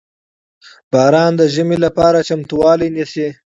• باران د ژمي لپاره چمتووالی نیسي.